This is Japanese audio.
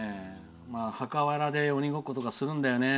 墓で鬼ごっことかするんだよね。